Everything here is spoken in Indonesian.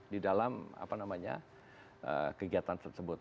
di dalam kegiatan tersebut